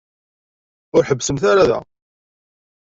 Ur ḥebbsemt ara da.